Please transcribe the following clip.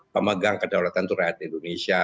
pemegang kedaulatan itu rakyat indonesia